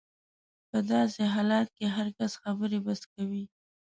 په داسې حالت کې هر کس خبرې بس کوي.